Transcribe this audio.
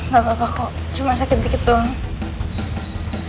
gak apa apa kok cuma sakit dikit dong